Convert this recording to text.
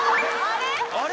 あれ？